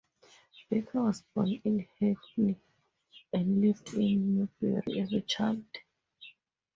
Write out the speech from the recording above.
Barker was born in Hackney, and lived in Newbury as a child.